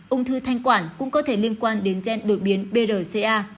ung thư thanh quản cũng có thể liên quan đến gen đột biến brca